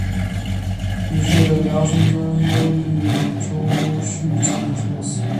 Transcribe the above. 于是辽圣宗耶律隆绪将他处死。